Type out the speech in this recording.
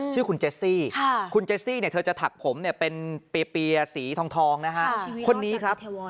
ชื่อคุณเจสซี่คุณเจซี่เนี่ยเธอจะถักผมเนี่ยเป็นเปียสีทองนะฮะคนนี้ครับ